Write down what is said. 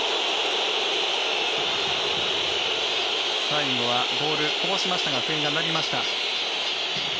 最後はゴールこぼしましたが笛が鳴りました。